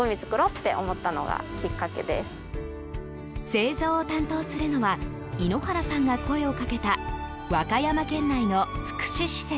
製造を担当するのは猪原さんが声をかけた和歌山県内の福祉施設。